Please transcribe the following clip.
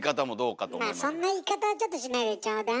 まあそんな言い方はちょっとしないでちょうだい。